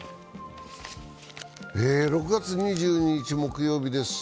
６月２２日木曜日です。